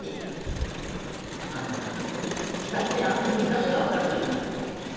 あのな大体あんたに何が分かるのいな。